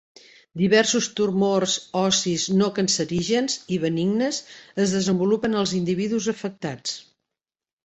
Diversos tumors ossis no-cancerígens i benignes es desenvolupen als individus afectats.